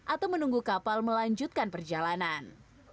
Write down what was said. atau menunggu kapal melanjutkan perjalanan